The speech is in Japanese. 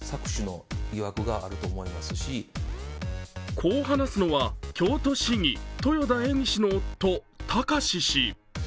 こう話すのは京都市議・豊田恵美氏の夫貴志氏。